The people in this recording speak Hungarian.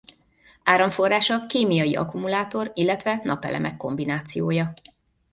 Áramforrása kémiai akkumulátor illetve napelemek kombinációja.